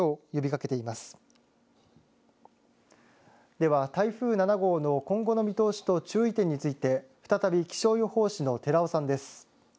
では台風７号の今後の見通しと注意点について再び気象予報士の寺尾さんです。